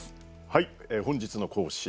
はい本日の講師